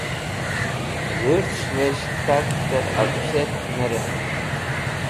Dhũrsves̃h tag tẽr efsht nẽ remet.